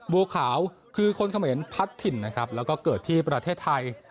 บัวขาวคือคนเขมรพัดถิ่นนะครับแล้วก็เกิดที่ประเทศไทย